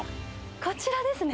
こちらですね。